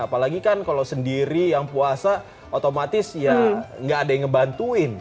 apalagi kan kalau sendiri yang puasa otomatis ya nggak ada yang ngebantuin